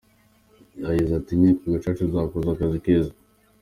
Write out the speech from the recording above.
Yagize ati “Inkiko Gacaca zakoze akazi keza.